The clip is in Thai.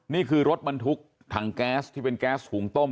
นี่คือรถบรรทุกถังแก๊สที่เป็นแก๊สหุงต้ม